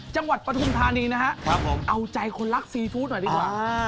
ปฐุมธานีนะครับผมเอาใจคนรักซีฟู้ดหน่อยดีกว่า